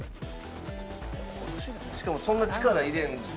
しかもそんな力入れんと。